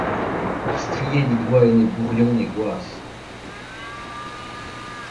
Pistriet he doa enebourion he gwaz.